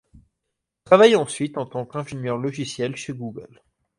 Il travaille ensuite en tant qu'ingénieur logiciel chez Google.